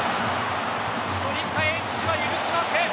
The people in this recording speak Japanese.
折り返しは許しません。